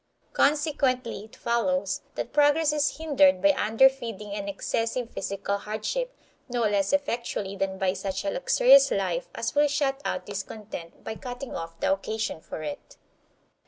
Consequently it follows that progress is hindered by underfeeding and excessive physical hardship, no less effectually than by such a luxurious life as will shut out discontent by cutting off the occasion for it.